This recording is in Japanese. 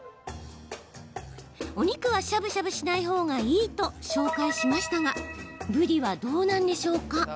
肉はしゃぶしゃぶしないほうがいいと紹介しましたがぶりはどうなんでしょうか？